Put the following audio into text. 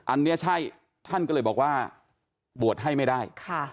อันนี้ใช่ท่านก็เลยบอกว่าบวชให้ไม่ได้